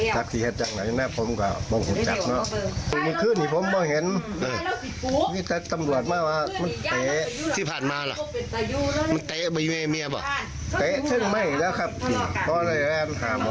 เกะถึงไม่แล้วครับพ่อเลยแหลมข้ามอย่างนี้